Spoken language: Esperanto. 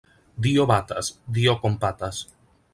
Dio batas, Dio kompatas.